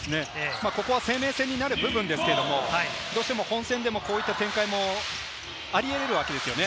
生命線になる部分ですけれど、本戦でもこういった展開があり得るわけですよね。